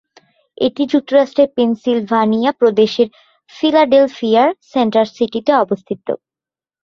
এটি যুক্তরাষ্ট্রের পেনসিলভানিয়া প্রদেশের ফিলাডেলফিয়ার সেন্টার সিটিতে অবস্থিত।